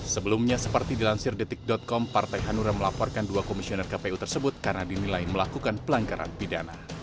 sebelumnya seperti dilansir detik com partai hanura melaporkan dua komisioner kpu tersebut karena dinilai melakukan pelanggaran pidana